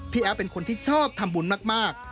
แอฟเป็นคนที่ชอบทำบุญมาก